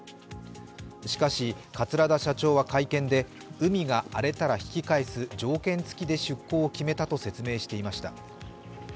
しかし、桂田社長は会見で、海が荒れたら引き返す条件付きで出航を決めたと説明していました。